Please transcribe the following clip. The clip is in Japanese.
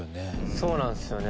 そうなんすよね。